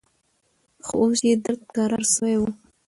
خو اوس يې درد کرار سوى و.